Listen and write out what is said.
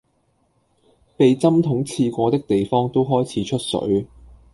被針筒刺過的地方都開始出水